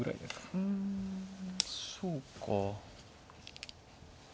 うんそうか。